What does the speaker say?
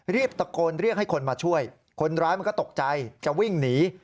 รีบตะโกนเรียกให้คนมาช่วยคนร้ายมันก็ตกใจจะวิ่งหนี